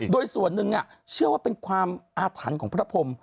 โดยส่วนนึงอะเชื่อว่าเป็นความของพระพรม